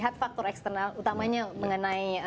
had factor eksternal utamanya mengenai